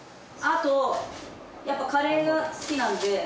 あとやっぱカレーが好きなんで。